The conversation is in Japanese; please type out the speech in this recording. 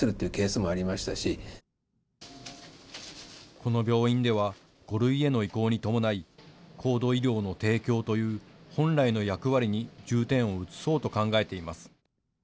この病院では５類への移行に伴い高度医療の提供という本来の役割に重点を移そうと考えています。